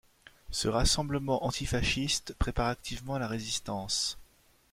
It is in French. Ce rassemblement antifasciste prépare activement la résistance.